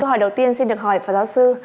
hỏi đầu tiên xin được hỏi phó giáo sư